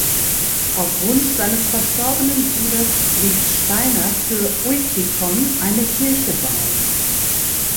Auf Wunsch seines verstorbenen Bruders liess Steiner für Uitikon eine Kirche bauen.